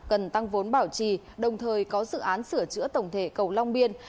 cần tăng vốn bảo trì đồng thời có dự án sửa chữa tổng thể cầu long biên